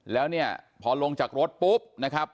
แล้วเนี่ยพอลงจากรถปุ๊บนะครับ